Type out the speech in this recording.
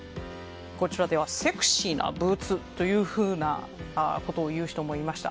こちらではセクシーなブーツということを言う人もいました。